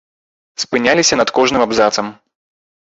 Спыняліся над кожным абзацам.